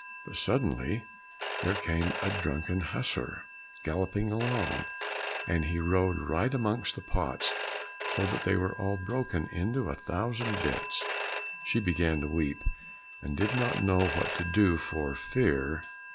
But suddenly there came a drunken hussar galloping along, and he rode right amongst the pots so that they were all broken into a thousand bits. She began to weep, and did now know what to do for fear.